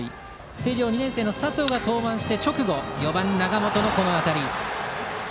星稜、２年生の佐宗が登板して直後、４番の永本の当たり。